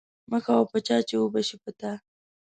مه کوه په چا چی اوبه شی په تا.